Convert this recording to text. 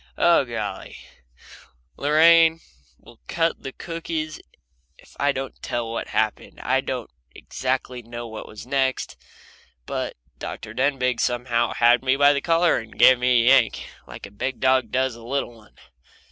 Oh, golly! Lorraine will cut down the cookies if I don't tell what happened. I don't exactly know what was next, but Dr. Denbigh somehow had me by the collar and gave me a yank, like a big dog does a little one.